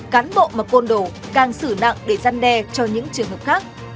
cán bộ mà côn đồ càng xử nặng để gian đe cho những trường hợp khác